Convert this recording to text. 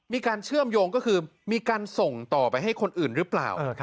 มีการเชื่อมโยงก็คือมีการส่งต่อไปให้คนอื่นหรือเปล่า